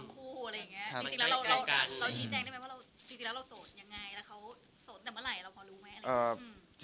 แล้วเขาโสดแต่เมื่อไหร่เราพอรู้ไหม